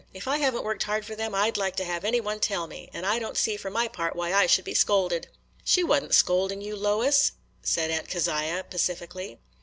If I have n't worked hard for them, I 'd like to have any one tell me; and I don't see, for my part, why I should be scolded." "She was n't scolding you, Lois," said Aunt Keziah, pacifically.